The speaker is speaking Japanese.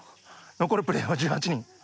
残るプレイヤーは１８人。